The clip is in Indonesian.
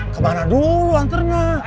ke mana dulu anterin lah